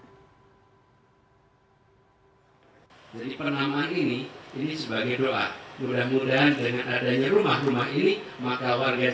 jadi penamaan ini sebagai